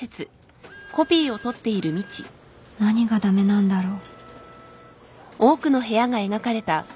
何が駄目なんだろう